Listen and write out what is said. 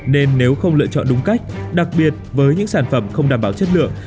nên nếu không lựa chọn đúng cách đặc biệt với những sản phẩm không đảm bảo chất lượng